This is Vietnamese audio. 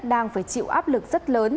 đang phải chịu áp lực rất lớn